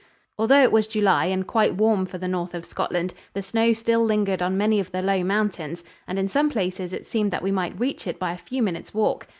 Although it was July and quite warm for the north of Scotland, the snow still lingered on many of the low mountains, and in some places it seemed that we might reach it by a few minutes' walk.